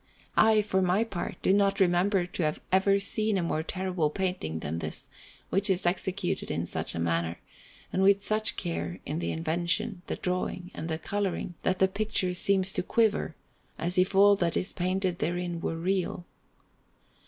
I, for my part, do not remember to have ever seen a more terrible painting than this, which is executed in such a manner, and with such care in the invention, the drawing, and the colouring, that the picture seems to quiver, as if all that is painted therein were real.